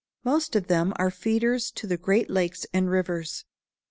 Most of them are feeders to the great lakes and rivers.